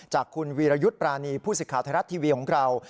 จากคุณวีรยุทธ์ปรานีผู้สิทธิ์ไทยรัฐทีวีของเรา